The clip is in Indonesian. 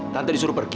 tante disuruh pergi